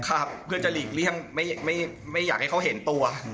ครับเพื่อจะหลีกเลี่ยงไม่อยากให้เขาเห็นตัว